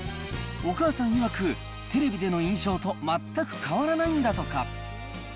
お母さんいわく、テレビでの印象と全く変わらないんだとか。